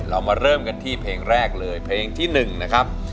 เรามาเริ่มกันที่เพลงแรกเลยเพลงที่๑นะครับ